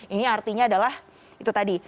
ini artinya adalah itu tadi